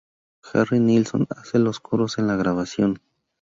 Harry Nilsson hace los coros en la grabación.